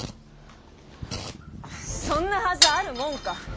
そんなはずあるもんか！